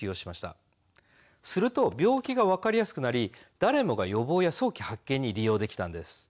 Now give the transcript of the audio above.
すると病気がわかりやすくなりだれもが予防や早期発見に利用できたんです。